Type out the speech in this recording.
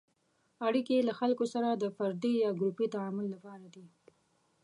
اړیکې له خلکو سره د فردي یا ګروپي تعامل لپاره دي.